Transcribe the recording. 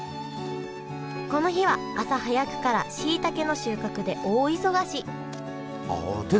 この日は朝早くからしいたけの収穫で大忙しあ手で。